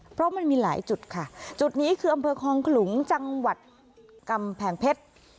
เพราะมันมีหลายจุดค่ะจุดนี้คืออำเภอคลองขลุงจังหวัดกำแพงเพชร